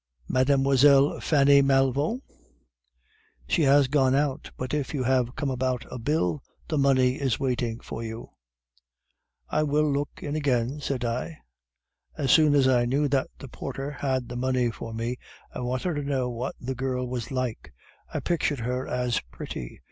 "'"Mlle. Fanny Malvaut?" "'"She has gone out; but if you have come about a bill, the money is waiting for you." "'"I will look in again," said I. "'As soon as I knew that the porter had the money for me, I wanted to know what the girl was like; I pictured her as pretty.